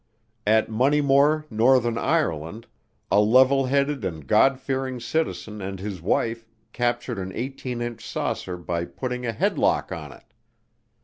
At Moneymore, Northern Ireland, a "level headed and God fearing" citizen and his wife captured an 18 inch saucer by putting a headlock on it.